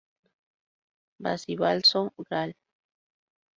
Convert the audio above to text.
Basavilbaso, Gral.